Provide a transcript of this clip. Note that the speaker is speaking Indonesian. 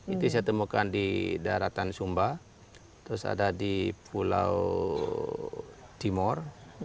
ini saya temukan di daerah tan sumba terus ada di pulau timor